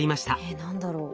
え何だろう？